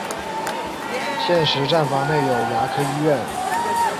现时站房内有牙科医院。